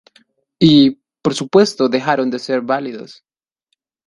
Y, por supuesto dejaron de ser válidos.